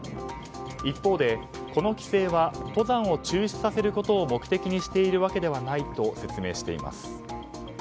一方でこの規制は登山を中止させることを目的にしているわけではないと説明しています。